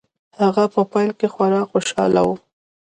هغه په پیل کې خورا خوشحاله و